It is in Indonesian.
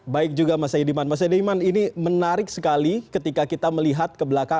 baik juga mas saidiman mas saidiman ini menarik sekali ketika kita melihat ke belakang